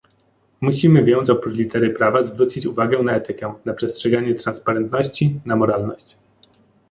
Musimy więc oprócz litery prawa, zwrócić uwagę na etykę, na przestrzeganie transparentności, na moralność